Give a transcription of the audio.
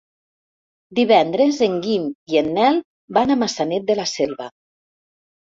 Divendres en Guim i en Nel van a Maçanet de la Selva.